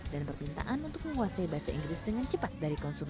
dan permintaan untuk menguasai bahasa inggris dengan cepat dari konsumen